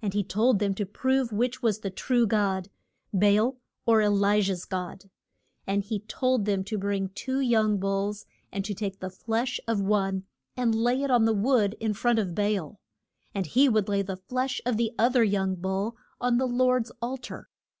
And he told them to prove which was the true God, Ba al or E li jah's God. And he told them to bring two young bulls, and to take the flesh of one and lay it on the wood in front of Ba al, and he would lay the flesh of the oth er young bull on the Lord's al tar.